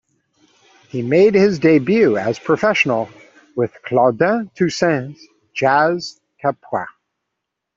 He made his debut as professional with Claudin Toussaint's Jazz Capois.